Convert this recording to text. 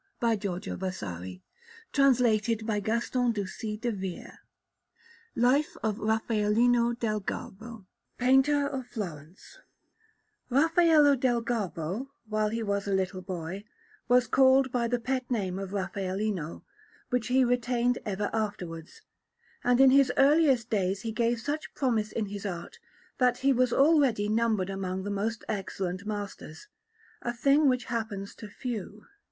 Florentine puff pastry. RAFFAELLINO DEL GARBO LIFE OF RAFFAELLINO DEL GARBO PAINTER OF FLORENCE Raffaello del Garbo, while he was a little boy, was called by the pet name of Raffaellino, which he retained ever afterwards; and in his earliest days he gave such promise in his art, that he was already numbered among the most excellent masters, a thing which happens to few.